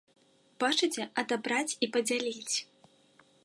Бачыце, адабраць і падзяліць!